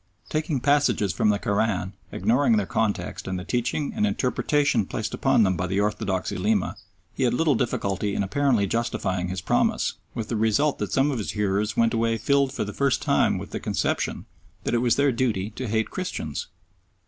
Taking passages from the Koran, ignoring their context and the teaching and interpretation placed upon them by the orthodox Ulema, he had little difficulty in apparently justifying his promise, with the result that some of his hearers went away filled for the first time with the conception that it was their duty to hate Christians.